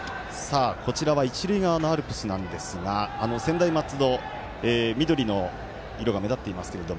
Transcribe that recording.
一塁側のアルプスなんですが専大松戸、緑の色が目立っていますけれど。